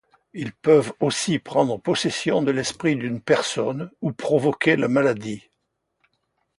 Ils peuvent aussi prendre possession de l'esprit d'une personne ou provoquer la maladie.